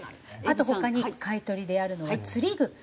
あと他に買い取りであるのは釣り具。